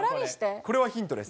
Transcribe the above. これはヒントです。